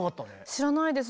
知らないです。